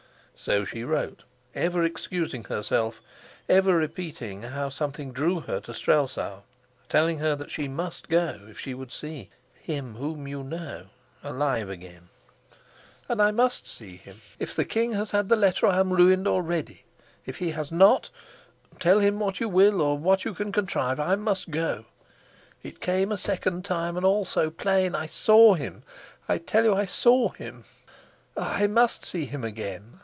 So she wrote, ever excusing herself, ever repeating how something drew her to Strelsau, telling her that she must go if she would see "him whom you know," alive again. "And I must see him ah, I must see him! If the king has had the letter, I am ruined already. If he has not, tell him what you will or what you can contrive. I must go. It came a second time, and all so plain. I saw him; I tell you I saw him. Ah, I must see him again.